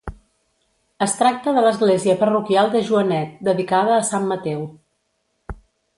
Es tracta de l'església parroquial de Joanet, dedicada a Sant Mateu.